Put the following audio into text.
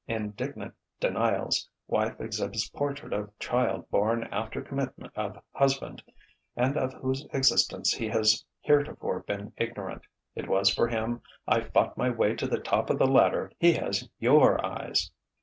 Indignant denials; wife exhibits portrait of child born after commitment of husband, and of whose existence he has heretofore been ignorant: "It was for him I fought my way to the top of the ladder: he has your eyes!"